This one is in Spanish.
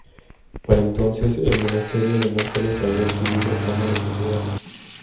Para entonces el monasterio de Nápoles había adquirido fama de santidad.